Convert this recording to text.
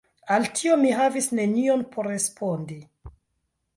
Al tio, mi havis nenion por respondi.